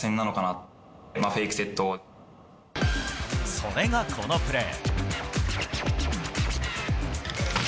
それが、このプレー。